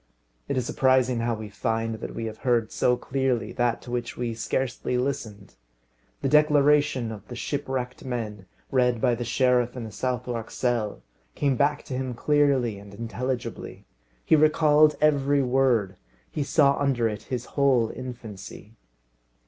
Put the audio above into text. It is surprising how we find that we have heard so clearly that to which we scarcely listened. The declaration of the shipwrecked men, read by the sheriff in the Southwark cell, came back to him clearly and intelligibly. He recalled every word, he saw under it his whole infancy.